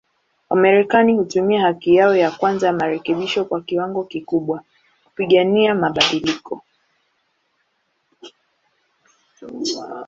Wamarekani hutumia haki yao ya kwanza ya marekebisho kwa kiwango kikubwa, kupigania mabadiliko.